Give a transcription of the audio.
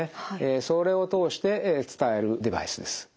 それを通して伝えるデバイスです。